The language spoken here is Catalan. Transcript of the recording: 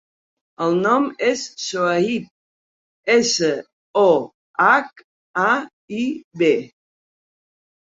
El nom és Sohaib: essa, o, hac, a, i, be.